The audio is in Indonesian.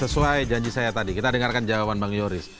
sesuai janji saya tadi kita dengarkan jawaban bang yoris